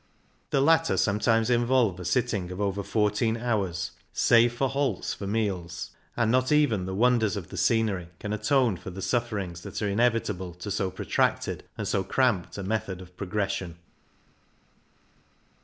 The latter sometimes involve a sitting of over fourteen hours, save for lo CYCUNG IN THE ALPS halts for meals, and not even the wonders of the scenery can atone for the sufferings that are inevitable to so protracted and so cramped a method of progression.